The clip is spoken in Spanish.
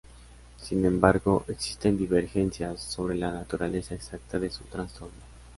Sin embargo, existen divergencias sobre la naturaleza exacta de su trastorno.